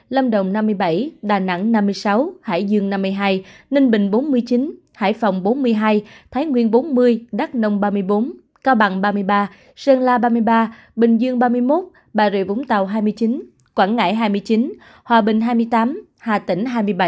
lâm đồng năm mươi bảy đà nẵng năm mươi sáu hải dương năm mươi hai ninh bình bốn mươi chín hải phòng bốn mươi hai thái nguyên bốn mươi đắk nông ba mươi bốn cao bằng ba mươi ba sơn la ba mươi ba bình dương ba mươi một bà rịa vũng tàu hai mươi chín quảng ngãi hai mươi chín hòa bình hai mươi tám hà tĩnh hai mươi bảy